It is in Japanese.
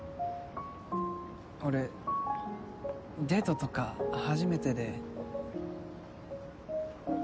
俺デートとか初めてで。